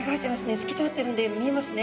透き通ってるんで見えますね。